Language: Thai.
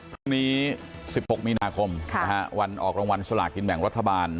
พรุ่งนี้๑๖มีนาคมวันออกรางวัลสลากินแบ่งรัฐบาล